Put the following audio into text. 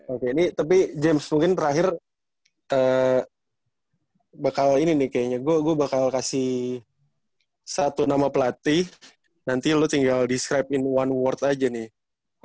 oke ini tapi james mungkin terakhir bakal ini nih kayaknya gue gue bakal kasih satu nama pelatih nanti lo tinggal di scrapte in one world aja nih